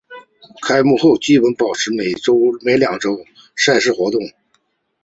开幕后基本保持每周两次赛事活动。